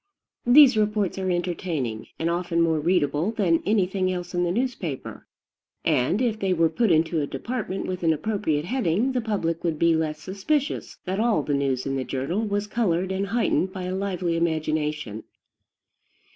These reports are entertaining, and often more readable than anything else in the newspaper; and, if they were put into a department with an appropriate heading, the public would be less suspicious that all the news in the journal was colored and heightened by a lively imagination.